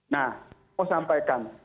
nah mau sampaikan